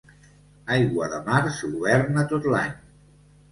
Aigua de març, governa tot l'any.